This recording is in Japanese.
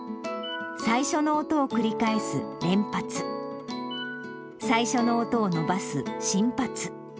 最初の音を繰り返す連発、最初の音を伸ばす伸発。